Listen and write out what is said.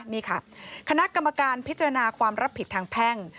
นี่ค่ะคณะกรรมการพิจารณาความรับผิดทางแพ่ง